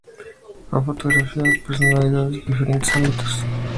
Ha fotografiado a personalidades de diferentes ámbitos como la política y la cultura.